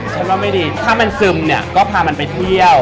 ฉันว่าไม่ดีถ้ามันซึมเนี่ยก็พามันไปเที่ยว